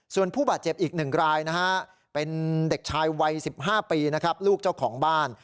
ส่วนผู้บาดเจ็บอีก๑รายนะฮะเป็นเด็กชายวัย๑๕ปีนะครับลูกเจ้าของบ้าน